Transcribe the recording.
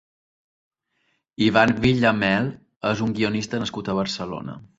Ivan Villamel és un guionista nascut a Barcelona.